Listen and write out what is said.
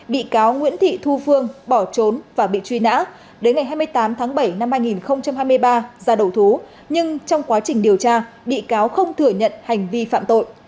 bị cáo nguyễn thị thu phương bỏ trốn và bị truy nã đến ngày hai mươi tám tháng bảy năm hai nghìn hai mươi ba ra đầu thú nhưng trong quá trình điều tra bị cáo không thừa nhận hành vi phạm tội